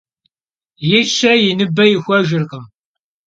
Yi şe yi nıbe yixuejjırkhım.